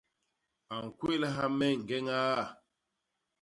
A ñkwélha me ñgeñ iaa.